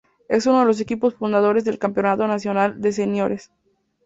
Es uno de los equipos fundadores del Campeonato Nacional de Seniores.